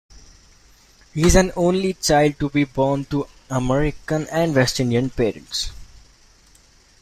He is an only child to be born to American and West Indian parents.